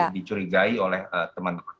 dicurigai oleh teman teman